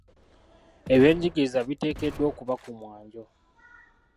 Eby'enjigiriza biteekeddwa okuba ku mwanjo.